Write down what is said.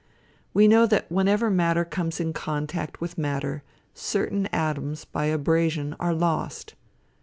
We know that whenever matter comes in contact with matter, certain atoms, by abrasion, are lost.